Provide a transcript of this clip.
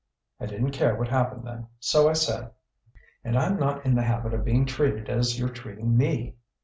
"I didn't care what happened then, so I said: "'And I'm not in the habit of being treated as you're treating me.